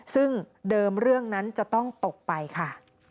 ซึ่งเดิมเรื่องนั้นจะต้องตกไปค่ะ